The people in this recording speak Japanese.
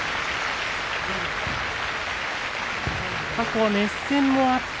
過去熱戦もあった